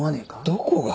どこが！？